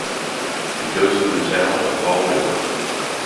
It goes through the town of Haw River.